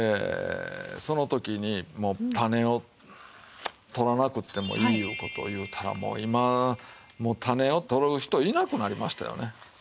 その時にもう種を取らなくってもいいいう事を言うたらもう今もう種を取る人いなくなりましたよね。